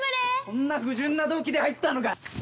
そんな不純な動機で入ったのかよ！？